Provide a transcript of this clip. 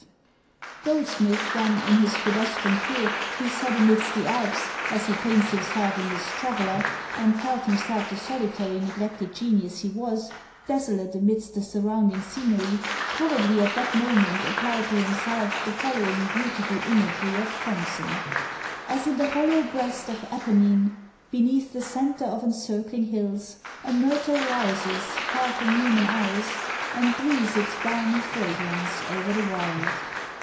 s. 5. Goldsmith, when, in his pedestrian tour, he sat amid the Alps, as he paints himself in his "Traveller," and felt himself the solitary neglected genius he was, desolate amidst the surrounding scenery, probably at that moment applied to himself the following beautiful imagery of Thomson: As in the hollow breast of Apennine Beneath the centre of encircling hills, A myrtle rises, far from human eyes, And breathes its balmy fragrance o'er the wild.